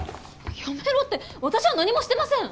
「やめろ」って私は何もしてません。